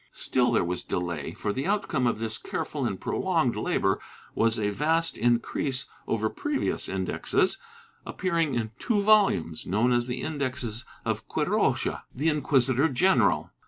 ^ Still there was delay, for the outcome of this careful and prolonged labor was a vast increase over previous indexes, appearing in two volumes, known as the Indexes of Quiroga, the inquisitor general.